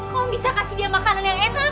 kamu bisa kasih dia makanan yang enak